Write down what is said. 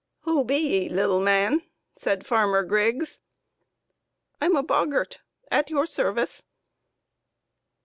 " Who be 'ee, little man ?" said Farmer Griggs. " I'm a boggart, at your service."